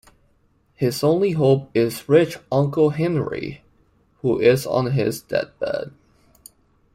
His only hope is rich uncle Henry, who is on his deathbed.